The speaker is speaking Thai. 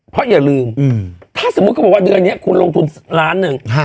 เพราะอย่าลืมถ้าสมมุติเขาบอกว่าเดือนนี้คุณลงทุนล้านหนึ่ง